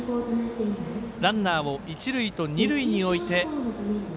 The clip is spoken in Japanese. ランナーを一塁と二塁に置いて。